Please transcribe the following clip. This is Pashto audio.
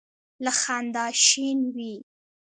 له خندا شین وي.